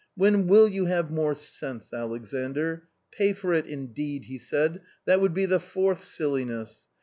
" When will you have more sense, Alexandr. Pay for it indeed !" he said. " That would be the fourth silliness.